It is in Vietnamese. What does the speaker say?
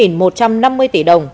lãi suất thấp